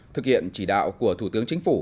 thực hiện chỉ đạo của thủ tướng chính phủ